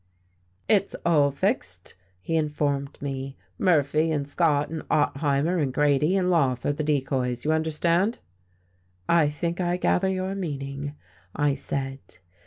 "It's all fixed," he informed me. "Murphy and Scott and Ottheimer and Grady and Loth are the decoys. You understand?" "I think I gather your meaning," I said.